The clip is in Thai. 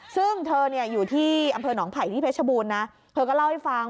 ซึ่งเธอเนี่ยอยู่ที่อำเภอหนองไผ่ที่เพชรบูรณ์นะเธอก็เล่าให้ฟัง